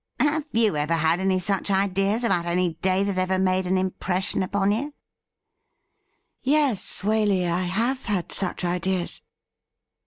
Have you ever had any such ideas about any day that ever made an im pression upon you ?'' Yes, Waley, I have had such ideas.'